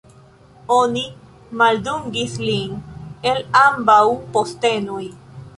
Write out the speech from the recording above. Oni maldungis lin el ambaŭ postenoj.